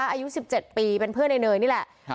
อายุสิบเจ็บปีเป็นเพื่อนในเนยนี่แหละฮะ